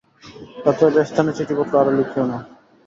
অতএব এ স্থানে চিঠিপত্র আর লিখিও না।